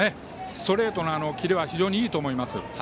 ストレートのキレは非常にいいと思います。